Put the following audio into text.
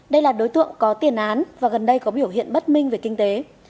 đây là đối tượng có tiền án và gần đây có biểu hiện bất minh về kinh tế